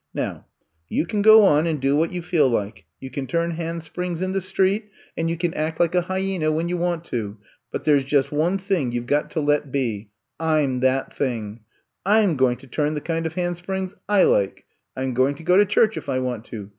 Now you can go on and do what you feel like. You can turn handsprings in the street and you can act I^VB COMB TO STAY 71 like a hyena when you want to. But there 's just one thing you 've got to let be. 1 'm that thing. I 'm going to turn the kind of handsprings I like. I 'm go ing to go to church if I want to.